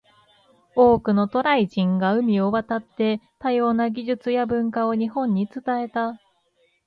多くの渡来人が海を渡って、多様な技術や文化を日本に伝えた。